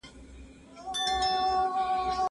مشرکانو ښځيو او ماشومانو ته هيڅ شی نه ورکول.